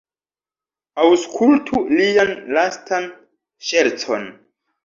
Aŭskultu lian lastan ŝercon!